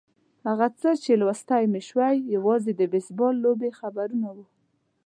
هغه څه چې لوستلای مې شوای یوازې د بېسبال لوبې خبرونه وو.